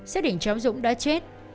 xác định cháu dũng đã chết